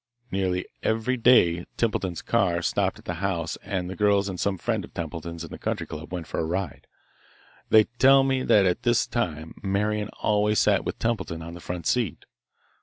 Nearly every day Templeton's car stopped at the house and the girls and some friend of Templeton's in the country club went for a ride. They tell me that at this time Marian always sat with Templeton on the front seat.